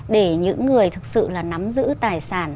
để những người thực sự là nắm giữ tài sản